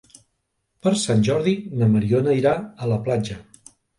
Per Sant Jordi na Mariona irà a la platja.